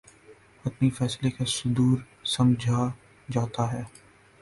حتمی فیصلے کا صدور سمجھا جاتا ہے